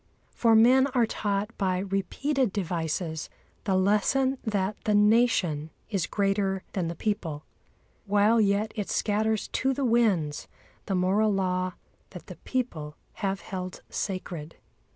For men are taught by repeated devices the lesson that the Nation is greater than the people, while yet it scatters to the winds the moral law that the people have held sacred.